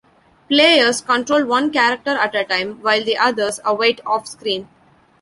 Players control one character at a time, while the others await off-screen.